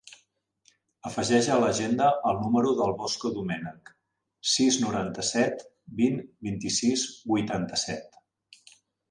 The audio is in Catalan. Afegeix a l'agenda el número del Bosco Domenech: sis, noranta-set, vint, vint-i-sis, vuitanta-set.